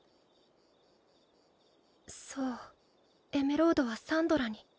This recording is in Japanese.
そうエメロードはサンドラに。